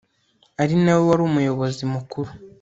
arinawe wari umuyobozi mukuru